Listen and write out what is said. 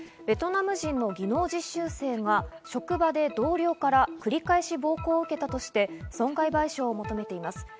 ベトナム人の技能実習生が職場で同僚から繰り返し暴行を受けたとして、損害賠償を求めています。